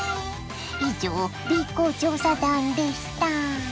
以上Ｂ公調査団でした！